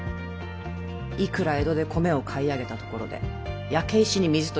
いくら江戸で米を買い上げたところで焼け石に水ということか。